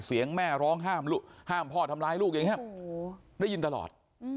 เสียงแม่ร้องห้ามพ่อทำร้ายลูกได้ยินตลอด